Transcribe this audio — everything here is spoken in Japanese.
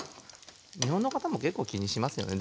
日本の方も結構気にしますよね。